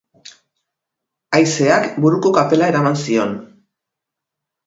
Haizeak buruko kapela eraman zion.